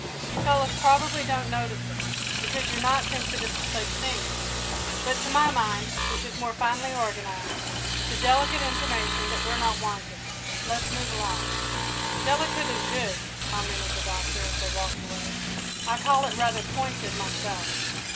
"You fellows probably don't notice it, because you're not sensitive to such things; but, to my mind, which is more finely organised, it's a delicate intimation that we're not wanted. Let's move along." "'Delicate' is good," commented the Doctor, as they walked away. "I call it rather pointed, myself."